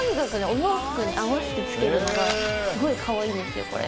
お洋服に合わせてつけるのがすごいかわいいんです、これ。